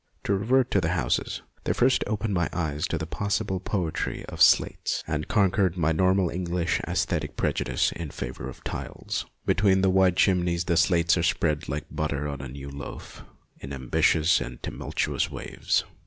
To revert to the houses, they first opened my eyes to the possible poetry of slates, and conquered my normal English aesthetic pre judice in favour of tiles. Between the wide chimneys the slates are spread like butter on a new loaf, in ambitious and tumultuous waves.